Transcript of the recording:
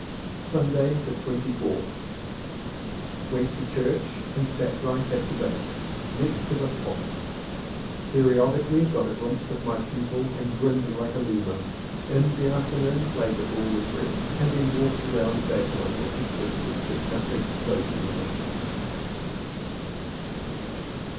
Sunday the 24th. Went to church and sat right at the back, next to the font. Periodically got a glimpse of my pupil and grinned like a lemur. In the afternoon played the fool with Rex and then walked round Bagnell with his sisters, discussing Socialism.